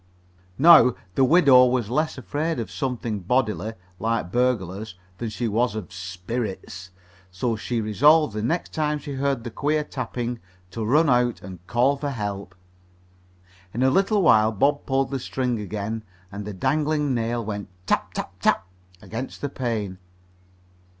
Now, the widow was less afraid of something bodily, like burglars, than she was of "spirits," so she resolved the next time she heard the queer tapping to run out and call for help. In a little while Bob pulled the string again, and the dangling nail went tap! tap! tap! against the pane.